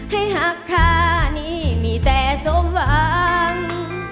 ให้หักค่านี้มีแต่สมหวัง